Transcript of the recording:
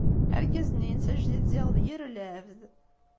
Argaz-nni-ines ajdid ziɣ d yir lɛebd.